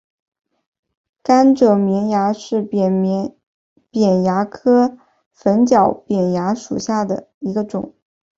甘蔗绵蚜为扁蚜科粉角扁蚜属下的一个种。